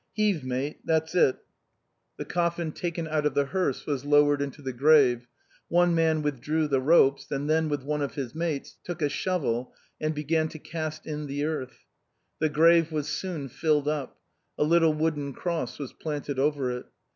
Heave, mate, that's it." The coffm taken out of the hearse was lowered into the grave. One man withdrew the ropes and then with one of his mates took a shovel and began to cast in the earth. 240 THE BOHEMIANS OF THE LATIN QUARTER. The grave was soon filled up. A little wooden cross was planted over it.